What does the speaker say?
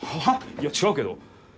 いや違うけど。